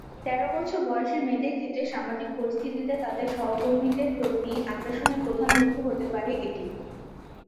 তের বছর বয়সী মেয়েদের ক্ষেত্রে সামাজিক পরিস্থিতিতে তাদের সহকর্মীদের প্রতি আগ্রাসনের প্রধান লক্ষণ হতে পারে এটি।